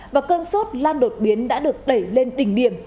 và cơn sốt lan đột biến đã được đẩy lên đỉnh điểm